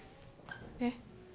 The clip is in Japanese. えっ？